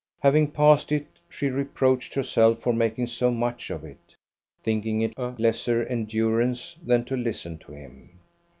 Having passed it, she reproached herself for making so much of it, thinking it a lesser endurance than to listen to him.